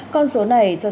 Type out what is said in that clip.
còn số này cho chúng ta